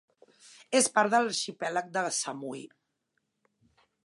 És part de l'arxipèlag de Samui.